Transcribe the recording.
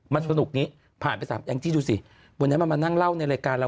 มันสนุกนี้ผ่านไป๓แองจี้ดูสิวันนี้มันมานั่งเล่าในรายการเรา